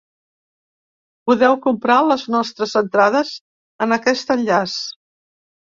Podeu comprar les vostres entrades en aquest enllaç.